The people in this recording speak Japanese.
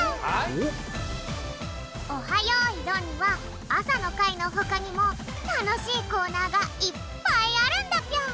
よいどん」には朝の会のほかにもたのしいコーナーがいっぱいあるんだぴょん！